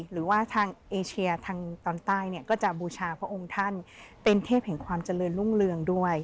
หรือว่าทางเอเชียทางตอนใต้เนี่ยก็จะบูชาพระองค์ท่านเป็นเทพแห่งความเจริญรุ่งเรืองด้วย